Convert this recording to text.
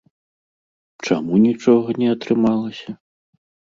Чаму нічога не атрымалася?